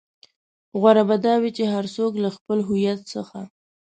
غوره به دا وي چې هر څوک له خپل هويت څخه.